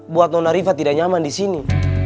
buat nona riva tidak nyaman disini